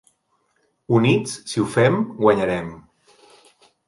Units, si ho fem, guanyarem.